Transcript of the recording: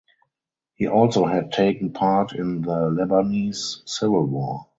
He also had taken part in the Lebanese Civil War.